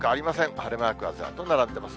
晴れマークがずらっと並んでいます。